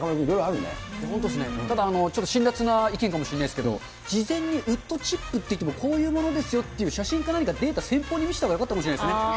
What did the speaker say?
本当ですね、ただ辛らつな意見かもしれないですけど、事前にウッドチップっていっても、こういうものですよっていう写真かなにかデータ、先方に見せたほうがよかったかもしれないですね。